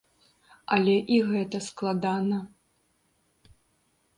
Але і гэта складана.